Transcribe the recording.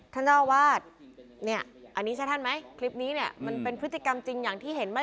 ท่านเจ้าอาวาสเนี่ยอันนี้ใช่ท่านไหมคลิปนี้เนี่ยมันเป็นพฤติกรรมจริงอย่างที่เห็นไหม